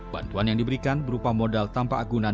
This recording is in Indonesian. bantuan yang diberikan berupa modal tanpa agunan